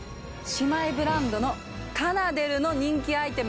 姉妹ブランドのカナデルの人気アイテム